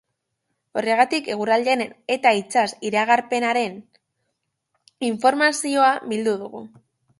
Horregatik, eguraldiaren eta itsas iragarpenaren informazioa bildu dugu.